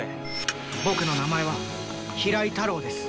僕の名前は平井太郎です。